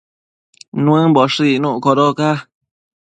Nuëmboshë icnuc codoca